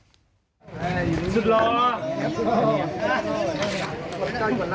สุดร้อย